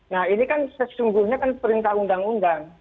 nah ini kan sesungguhnya kan perintah undang undang